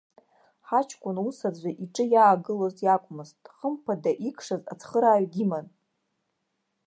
Ҳаҷкәын ус аӡәы иҿы иаагылоз иакәмызт, хымԥада, икшаз ацхырааҩ диман!